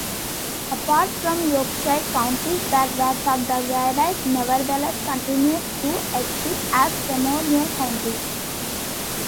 Apart from Yorkshire, counties that were subdivided nevertheless continued to exist as ceremonial counties.